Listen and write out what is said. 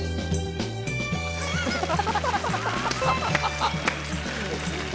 ハハハハ。